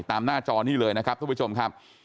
หน้าจอนี้เลยนะครับทุกผู้ชมครับ